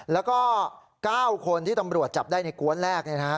แล้วก็๙คนที่ตำรวจจับได้ในกวนแรก